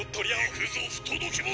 「いくぞ不届き者！！」